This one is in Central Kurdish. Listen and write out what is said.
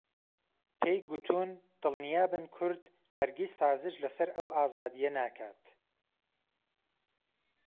پێی گووتوون دڵنیابن کورد ههرگیز سازش لهسهر ئهو ئازادییه ناکات